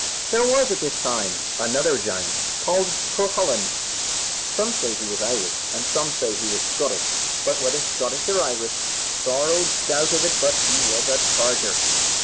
There was at that time another giant, named Cucullin some say he was Irish, and some say he was Scotch but whether Scotch or Irish, sorrow doubt of it but he was a targer.